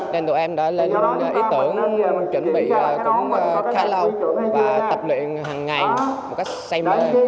nên tụi em đã lên ý tưởng chuẩn bị cũng khá lâu và tập luyện hằng ngày một cách say mới